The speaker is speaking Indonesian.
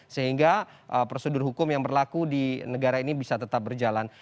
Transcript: sehingga prosedur hukum yang berlaku di negara ini bisa tetap berjalan